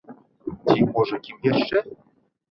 Ці, можа, кім яшчэ?